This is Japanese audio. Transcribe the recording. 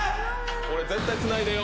これ絶対つないでよ